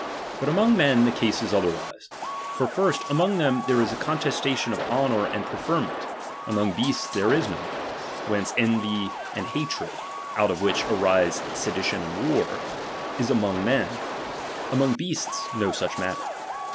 But among men the case is otherwise. For, first, among them there is a contestation of honour and preferment ; among beasts there is none : whence hatred and envy, out of wliich arise sedition and war, is among men ; among beasts no such matter.